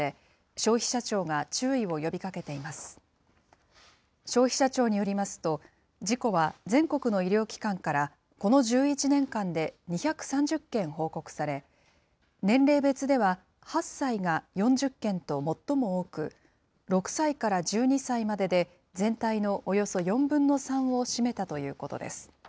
消費者庁によりますと、事故は全国の医療機関からこの１１年間で２３０件報告され、年齢別では、８歳が４０件と最も多く、６歳から１２歳までで、全体のおよそ４分の３を占めたということです。